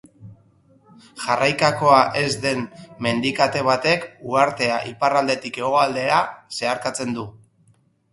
Jarraikakoa ez den mendikate batek uhartea iparraldetik hegoaldera zeharkatzen du.